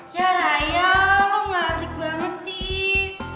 ya rayo lu ga asik banget sih